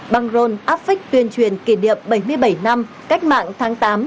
băng rôn áp phích tuyên truyền kỷ niệm bảy mươi bảy năm cách mạng tháng tám